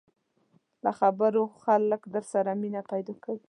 له خبرو خلک در سره مینه پیدا کوي